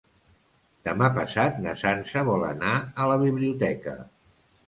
Demà passat na Sança vol anar a la biblioteca.